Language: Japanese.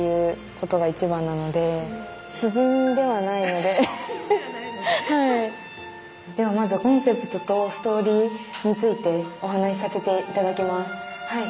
ではまずコンセプトとストーリーについてお話しさせて頂きます。